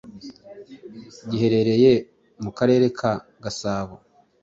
giherereye mu Karere ka Gasabo